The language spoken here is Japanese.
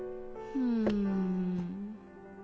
うん。